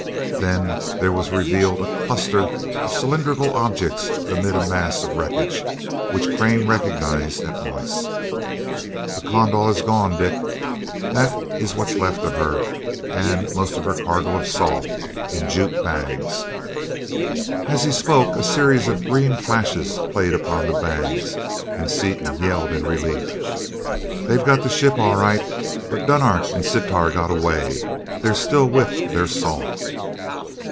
Then there was revealed a cluster of cylindrical objects amid a mass of wreckage, which Crane recognized at once. "The Kondal is gone, Dick. There is what is left of her, and most of her cargo of salt, in jute bags." As he spoke, a series of green flashes played upon the bags, and Seaton yelled in relief. "They got the ship all right, but Dunark and Sitar got away they're still with their salt!"